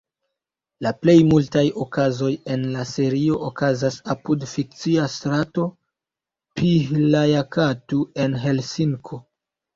La plej multaj okazoj en la serio okazas apud fikcia strato Pihlajakatu en Helsinko.